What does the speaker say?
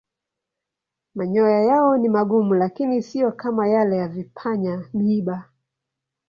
Manyoya yao ni magumu lakini siyo kama yale ya vipanya-miiba.